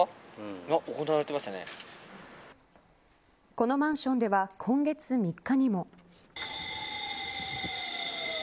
このマンションでは今月３日にも。